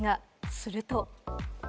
すると。